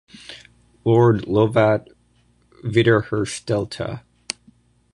Lord Lovat wiederherstellte.